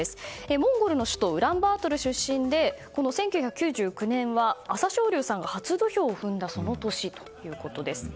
モンゴルの首都ウランバートル出身で１９９９年は朝青龍さんが初土俵を踏んだその年ということです。